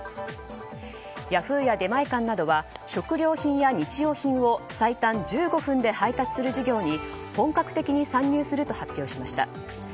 ヤフーや出前館などは食料品や日用品を最短１５分で配達する事業に本格的に参入すると発表しました。